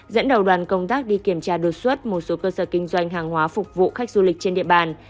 dẫn đầu đoàn công tác đi kiểm tra đột xuất một số cơ sở kinh doanh hàng hóa phục vụ khách du lịch trên địa bàn